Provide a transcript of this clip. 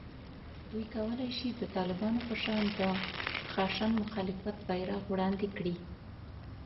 دوی کولای شي د طالبانو په شان د خشن مخالفت بېرغ وړاندې کړي